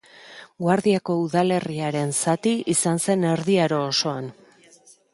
Guardiako udalerriaren zati izan zen Erdi Aro osoan.